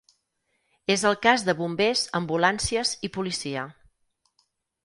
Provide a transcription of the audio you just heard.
És el cas de Bombers, Ambulàncies i Policia.